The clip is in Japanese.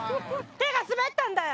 手が滑ったんだよ！